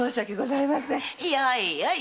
よいよい。